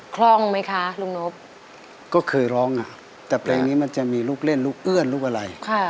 คล่องไหมคะลุงนบก็เคยร้องอ่ะแต่เพลงนี้มันจะมีลูกเล่นลูกเอื้อนลูกอะไร